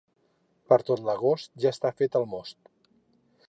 Per tot l'agost, ja està fet el most.